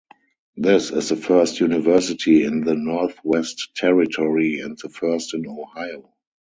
This is the first university in the Northwest Territory and the first in Ohio.